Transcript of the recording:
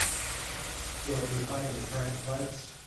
Will it be hot in the current place?